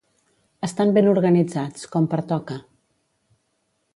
Estan ben organitzats, com pertoca.